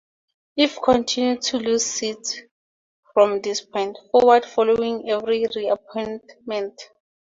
It continued to lose seats from this point forward following every reapportionment.